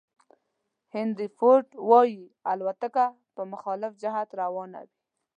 هینري فورد وایي الوتکه په مخالف جهت روانه وي.